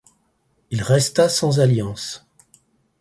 Il resta sans alliance.